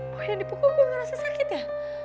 pokoknya dipukul gue merasa sakit ya